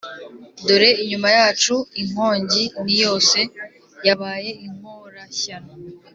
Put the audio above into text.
dore inyuma yacu inkongi ni yose yabaye inkorashyano